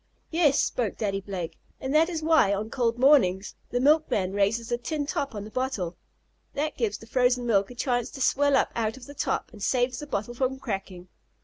"Yes," spoke Daddy Blake. "That is why, on cold mornings, the milkman raises the tin top on the bottle. That gives the frozen milk a chance to swell up out of the top, and saves the bottle from cracking."